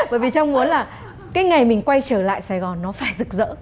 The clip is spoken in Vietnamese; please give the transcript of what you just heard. bởi vì trong muốn là cái ngày mình quay trở lại sài gòn nó phải rực rỡ